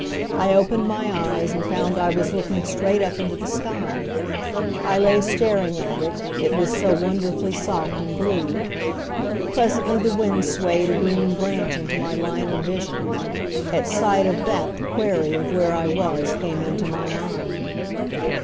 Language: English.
I opened my eyes and found I was looking straight up into the sky. I lay staring at it, it was so wonderfully soft and blue. Presently the wind swayed a green branch into my line of vision; at sight of that the query of where I was came into my mind.